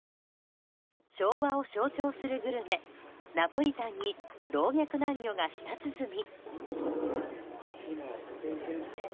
昭和を象徴するグルメナポリタンに老若男女が舌つづみ。